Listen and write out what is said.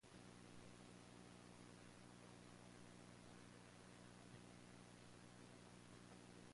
He returned to New York when the war ended, and married Kummer's daughter, Frances.